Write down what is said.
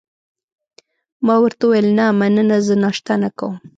ما ورته وویل: نه، مننه، زه ناشته نه کوم.